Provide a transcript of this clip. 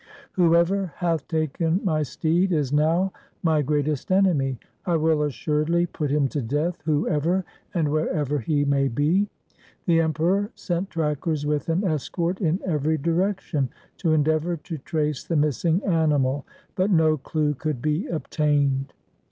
Whoever hath taken my steed is now my greatest enemy. I will assuredly put him to death whoever and wherever he may be.' The Emperor sent trackers with an escort in every direction to endeavour to trace the missing animal, but no clue could be obtained.